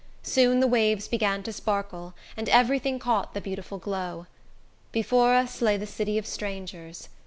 Soon the waves began to sparkle, and every thing caught the beautiful glow. Before us lay the city of strangers.